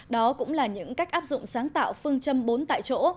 đó cũng là những cách áp dụng sáng tạo phương châm bốn tại chỗ